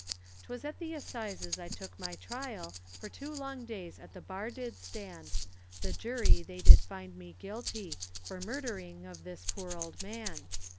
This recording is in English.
'Twas at the Assizes I took my trial, For two long days at the bar did stand. The jury they did find me Guilty, For murdering of this poor old man.